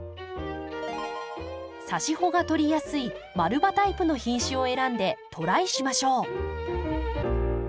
さし穂が取りやすい丸葉タイプの品種を選んでトライしましょう。